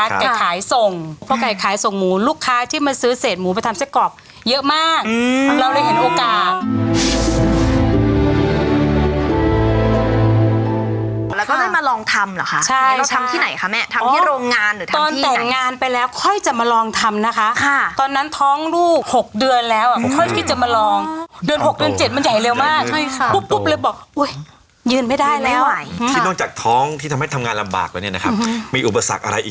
แล้วก็ได้มาลองทำเหรอคะใช่เราทำที่ไหนคะแม่ทำที่โรงงานหรือทำตอนแต่งงานไปแล้วค่อยจะมาลองทำนะคะค่ะตอนนั้นท้องลูกหกเดือนแล้วอ่ะค่อยคิดจะมาลองเดือนหกเดือนเจ็ดมันใหญ่เร็วมากใช่ค่ะปุ๊บปุ๊บเลยบอกอุ้ยยืนไม่ได้แล้วอ่ะที่นอกจากท้องที่ทำให้ทำงานลำบากแล้วเนี่ยนะครับมีอุปสรรคอะไรอีก